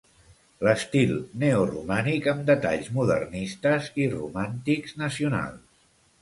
L'estil neoromànic amb detalls modernistes i romàntics nacionals.